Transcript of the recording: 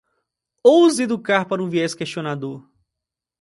Ouse educar para um viés questionador